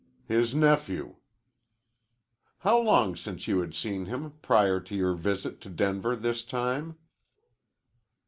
"His nephew." "How long since you had seen him prior to your visit to Denver this time?"